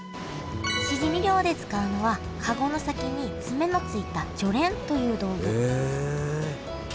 しじみ漁で使うのは籠の先に爪の付いた「ジョレン」という道具へえ！